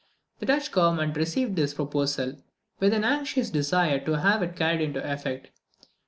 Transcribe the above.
The Dutch government received this proposal with an anxious desire to have it carried into effect.